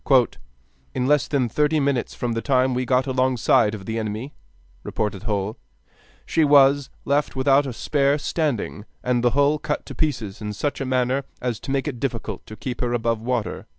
"In less than thirty minutes from the time we got alongside of the enemy," reported Hull, "she was left without a spar standing, and the hull cut to pieces in such a manner as to make it difficult to keep her above water."